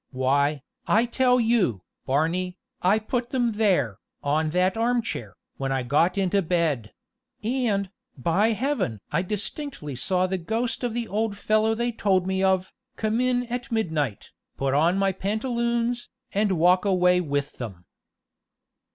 "Why, I tell you, Barney, I put them there, on that arm chair, when I got into bed; and, by Heaven! I distinctly saw the ghost of the old fellow they told me of, come in at midnight, put on my pantaloons, and walk away with them."